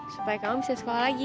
supaya kamu bisa sekolah lagi